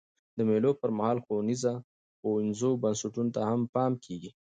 د مېلو پر مهال ښوونیزو بنسټونو ته هم پام کېږي.